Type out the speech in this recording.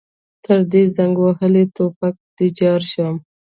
تر دې زنګ وهلي ټوپک دې ځار شم.